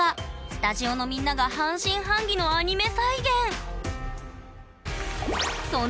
スタジオのみんなが半信半疑のアニメ